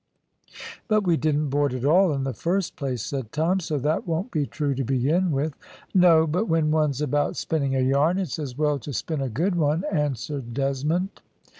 "But we didn't board at all, in the first place," said Tom, "so that won't be true to begin with." "No, but when one's about spinning a yarn it's as well to spin a good one," answered Desmond.